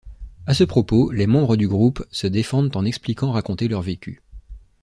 À ce propos, les membres du groupe se défendent en expliquant raconter leur vécu.